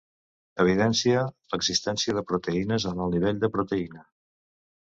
Evidència l'existència de proteïnes en el nivell de proteïna.